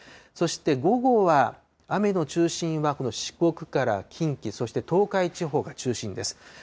そして午後は、雨の中心はこの四国から近畿、そして東海地方が中心です。